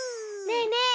ねえねえ